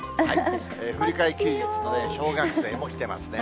振り替え休日の小学生も来てますね。